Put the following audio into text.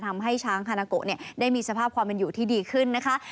ทำให้ช้างฮานาโกะได้มีสภาพความเป็นอยู่ที่ดีขึ้นนะคะ